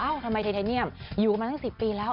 อ้าวทำไมไทน์เนี่ยอยู่มาสัก๑๐ปีแล้ว